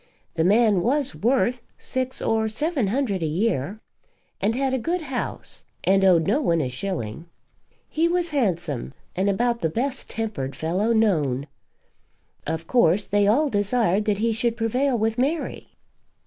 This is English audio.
The man was worth six or seven hundred a year, and had a good house, and owed no one a shilling. He was handsome, and about the best tempered fellow known. Of course they all desired that he should prevail with Mary.